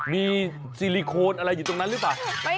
มีซิลิโคนอะไรอยู่ตรงนั้นหรือเปล่า